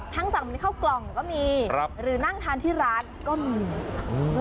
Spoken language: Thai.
ทั้งสั่งของเข้ากล่องก็มีหรือนั่งทานที่ร้านก็มี